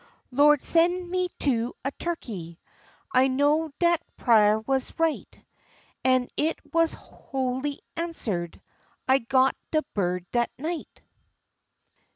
"Lawd, sen' me to a turkey." I know dat prah was right, An' it was sholy answer'd; I got de bird dat night.